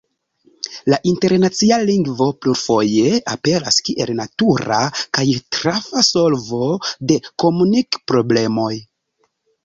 La internacia lingvo plurfoje aperas kiel natura kaj trafa solvo de komunik-problemoj.